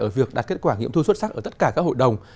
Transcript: ở việc đạt kết quả nghiệm thu xuất sắc ở tất cả các hội đồng